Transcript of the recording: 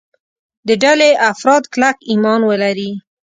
د ډلې افراد کلک ایمان ولري.